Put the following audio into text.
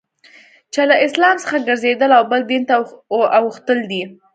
چي له اسلام څخه ګرځېدل او بل دین ته اوښتل دي.